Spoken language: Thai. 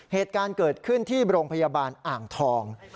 เหตุการณ์เกิดขึ้นที่โรงพยาบาลอ่างทอง